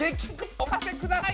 お任せください！